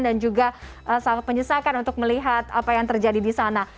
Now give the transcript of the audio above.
juga sangat menyesakan untuk melihat apa yang terjadi di sana